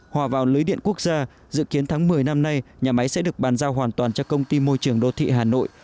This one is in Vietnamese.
hòa vào lưới điện quốc gia dự kiến tháng một mươi năm nay nhà máy sẽ được bàn giao hoàn toàn cho công ty môi trường đô thị hà nội